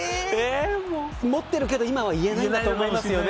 持ってるけど今は言えないんだと思いますよね。